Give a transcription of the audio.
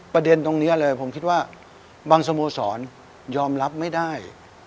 ประเด็นตรงนี้เลยผมคิดว่าบางสโมสรยอมรับไม่ได้